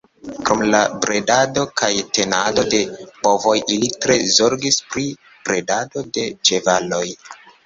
Krom la bredado kaj tenado de bovoj ili tre zorgis pri bredado de ĉevaloj.